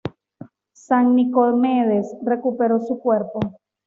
San Nicomedes recuperó su cuerpo.